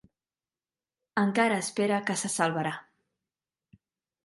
Encara espera que se salvarà.